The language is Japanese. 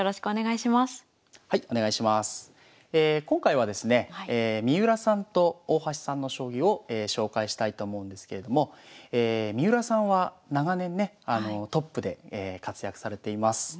今回はですね三浦さんと大橋さんの将棋を紹介したいと思うんですけれども三浦さんは長年ねトップで活躍されています。